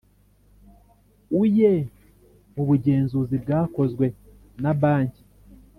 uye mu bugenzuzi bwakozwe na Banki